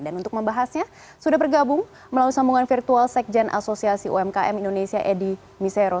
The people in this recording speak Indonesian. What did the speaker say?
dan untuk membahasnya sudah bergabung melalui sambungan virtual sekjen asosiasi umkm indonesia edi miseros